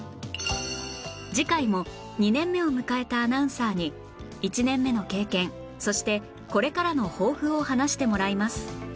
次回も２年目を迎えたアナウンサーに１年目の経験そしてこれからの抱負を話してもらいます